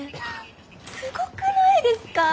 すごくないですか？